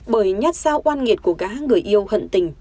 bởi nhát sao oan nghiệt của gá người yêu hận tình